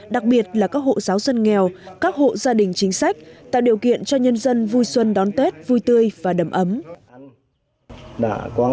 đặc biệt là các hộ giáo dân nghèo các hộ gia đình chính sách tạo điều kiện cho nhân dân vui xuân đón tết vui tươi và đầm ấm